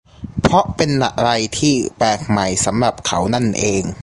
เพราะเป็นอะไรที่แปลกใหม่สำหรับเขานั่นเอง